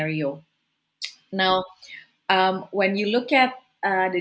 sekarang ketika anda melihat